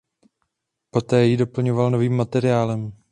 Poté ji doplňoval novým materiálem.